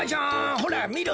ほらみろ。